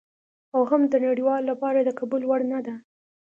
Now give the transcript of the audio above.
او هم د نړیوالو لپاره د قبول وړ نه ده.